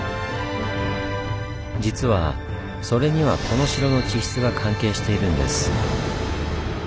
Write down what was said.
実はそれにはこの城の地質が関係しているんです。